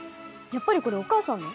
やっぱりこれお母さんの？